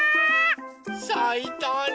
さいたね。